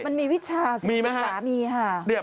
มันมีวิชาสิวิชามีค่ะ